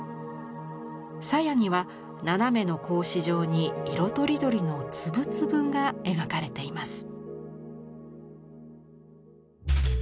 鞘には斜めの格子状に色とりどりの粒々が描かれています。